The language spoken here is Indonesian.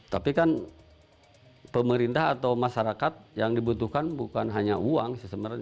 tapi kan pemerintah atau masyarakat yang dibutuhkan bukan hanya uang sih sebenarnya